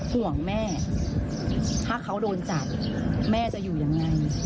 ห่วงแม่ถ้าเขาโดนจับแม่จะอยู่ยังไง